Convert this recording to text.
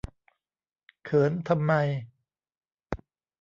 เขินทำไม